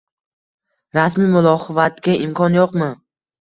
Rasmiy muxolifatga imkon yo‘qmi?